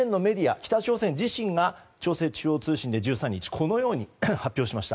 北朝鮮自身が朝鮮中央通信で１３日このように発表しました。